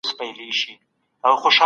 روښانه فکر آرامتیا نه خرابوي.